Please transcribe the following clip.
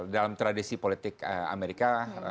dalam tradisi politik amerika